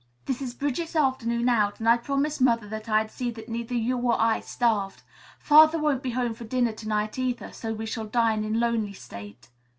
"This is Bridget's afternoon out and I promised Mother that I'd see that neither you or I starved. Father won't be home for dinner to night, either, so we shall dine in lonely state.